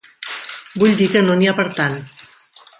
Vull dir que no n'hi ha per tant.